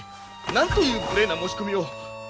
なんという無礼な申し込みを！